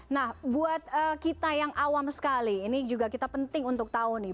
nah buat kita yang awam sekali ini juga kita penting untuk tahu nih